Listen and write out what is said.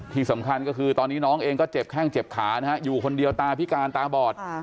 ที่สำคัญก็คือตอนนี้น้องเองก็เจ็บแข้งเจ็บขานะฮะอยู่คนเดียวตาพิการตาบอด